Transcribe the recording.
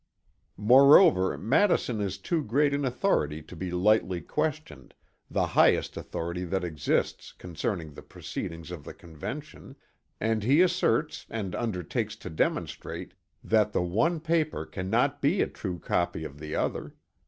Moreover Madison is too great an authority to be lightly questioned, the highest authority that exists concerning the proceedings of the Convention; and he asserts and undertakes to demonstrate that the one paper can not be a true copy of the other.